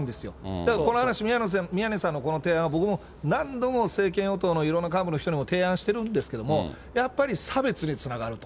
だからこの話、宮根さんのこの提案は、僕も何度も政権与党のいろんな幹部の人にも提案してるんですけど、やっぱり差別につながると。